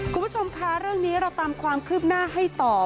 คุณผู้ชมคะเรื่องนี้เราตามความคืบหน้าให้ต่อ